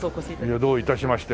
いやどういたしまして。